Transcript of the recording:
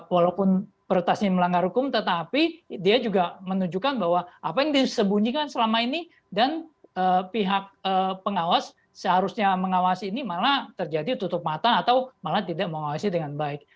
walaupun peretas ini melanggar hukum tetapi dia juga menunjukkan bahwa apa yang disembunyikan selama ini dan pihak pengawas seharusnya mengawasi ini malah terjadi tutup mata atau malah tidak mengawasi dengan baik